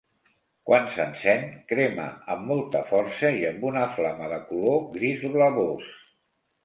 Quan s'encén, crema amb molta força i amb una flama de color gris blavós.